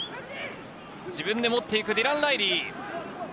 自分で持っていくディラン・ライリー。